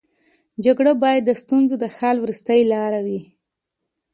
جګړه باید د ستونزو د حل وروستۍ لاره وي